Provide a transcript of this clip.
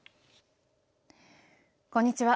こんにちは。